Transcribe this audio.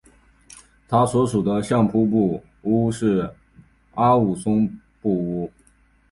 他所属的相扑部屋是阿武松部屋。